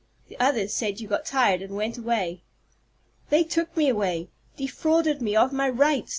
The others said you got tired and went away." "They took me away defrauded me of my rights!"